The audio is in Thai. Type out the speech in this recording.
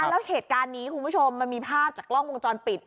แล้วเหตุการณ์นี้คุณผู้ชมมันมีภาพจากกล้องวงจรปิด